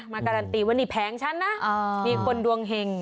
การันตีว่านี่แผงฉันนะมีคนดวงเห็ง